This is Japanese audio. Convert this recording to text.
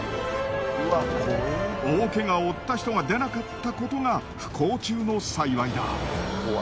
大けがを負った人が出なかったことが不幸中の幸いだ。